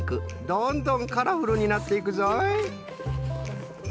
どんどんカラフルになっていくぞい。